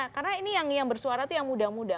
karena ini yang bersuara itu yang muda muda